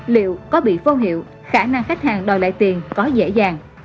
liệu có bị vô hiệu khả năng khách hàng đòi lại tiền có dễ dàng